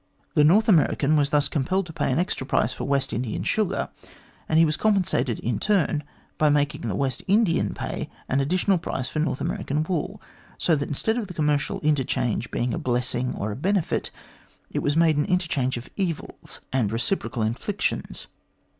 The North American was thus compelled to pay an extra price for West Indian sugar, and he was com pensated in turn by making the West Indian pay an additional price for North American wood ; so that instead of the commercial interchange being made a blessing or a benefit, it was made an interchange of evils and reciprocal A COUPLE OF COLONIAL LECTURES 267 inflictions.